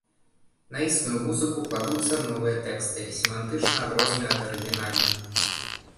На існую музыку кладуцца новыя тэксты, семантычна адрозныя ад арыгінальных.